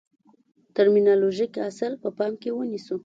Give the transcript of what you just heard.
ټرمینالوژیک اصل په پام کې ونیسو.